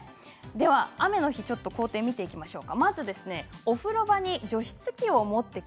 雨の日の行程を見ていきましょう。